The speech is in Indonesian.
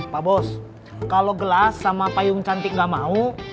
pak bos kalau gelas sama payung cantik gak mau